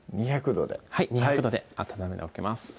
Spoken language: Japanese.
℃ではい２００℃で温めておきます